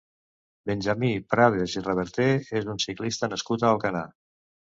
Benjamí Prades i Reverter és un ciclista nascut a Alcanar.